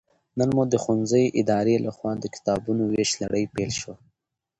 نن مو د ښوونځي ادارې لخوا د کتابونو ويش لړۍ پيل شوه